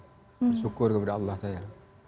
bersyukur kepada allah saya